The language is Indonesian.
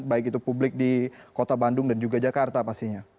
baik itu publik di kota bandung dan juga jakarta pastinya